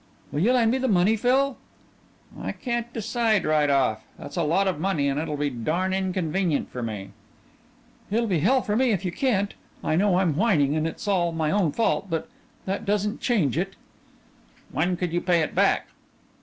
"Will you lend me the money, Phil?" "I can't decide right off. That's a lot of money and it'll be darn inconvenient for me." "It'll be hell for me if you can't I know I'm whining, and it's all my own fault but that doesn't change it." "When could you pay it back?"